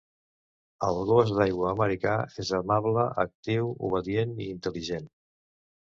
El gos d'aigua americà és amable, actiu, obedient i intel·ligent.